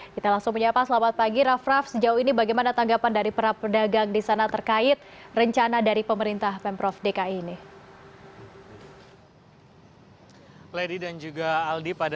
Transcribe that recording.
kita langsung menyapa selamat pagi raff raff sejauh ini bagaimana tanggapan dari para pedagang di sana terkait rencana dari pemerintah pemprov dki ini